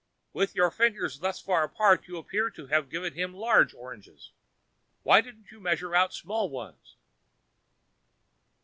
With your fingers thus far apart you appeared to give him large oranges. Why didn't you measure out small ones?"